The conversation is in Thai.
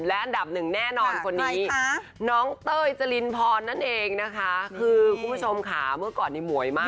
และอันดับหนึ่งแน่นอนคนนี้น้องเต้ยจรินพรนั่นเองนะคะคือคุณผู้ชมค่ะเมื่อก่อนนี้หมวยมาก